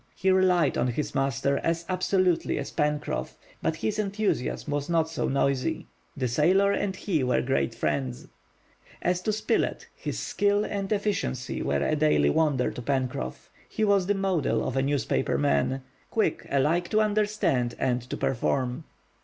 He relied on his master as absolutely as Pencroff, but his enthusiasm was not so noisy. The sailor and he were great friends. As to Spilett, his skill and efficiency were a daily wonder to Pencroff. He was the model of a newspaper man—quick alike to understand and to perform.